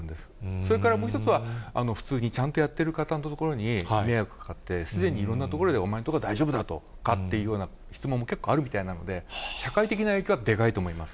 それからもう一つは、普通にちゃんとやっている方の所に、迷惑かかって、すでにいろんなところでお前のところは大丈夫かという質問も結構あるみたいなので、社会的な影響はでかいと思います。